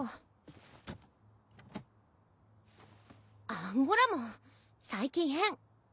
アンゴラモン最近変。